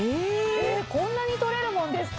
こんなに取れるもんですか。